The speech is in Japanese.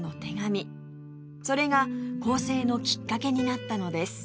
それが更生のきっかけになったのです